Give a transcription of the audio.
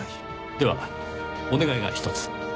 ではお願いがひとつ。